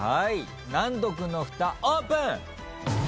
難読のふたオープン！